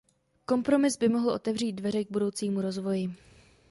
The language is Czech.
Kompromis by mohl otevřít dveře k budoucímu rozvoji.